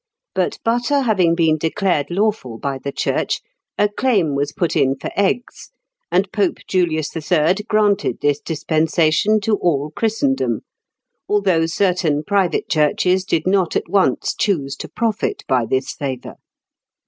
But butter having been declared lawful by the Church, a claim was put in for eggs (Fig. 98), and Pope Julius III. granted this dispensation to all Christendom, although certain private churches did not at once choose to profit by this favour.